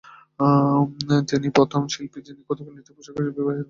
তিনি প্রথম শিল্পী যিনি কত্থক নৃত্যে পোশাক হিসাবে "শাড়ি" প্রবর্তন করেছিলেন।